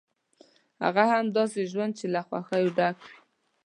هغه هم داسې ژوند چې له خوښیو ډک وي.